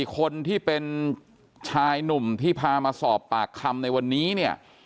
คนที่เป็นชายหนุ่มที่พามาสอบปากคำในวันนี้เนี่ย